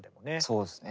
そうですね。